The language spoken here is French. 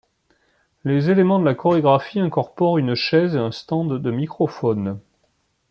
Les éléments de la chorégraphie incorporent une chaise et un stand de microphone.